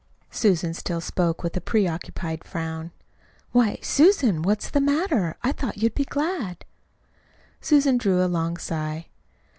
Susan still spoke with a preoccupied frown. "Why, Susan, what's the matter? I thought you'd be glad." Susan drew a long sigh.